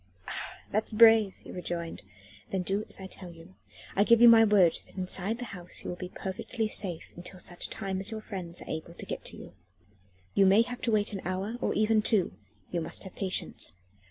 "Ah! that's brave!" he rejoined. "Then do as I tell you. I give you my word that inside that house you will be perfectly safe until such time as your friends are able to get to you. You may have to wait an hour, or even two; you must have patience.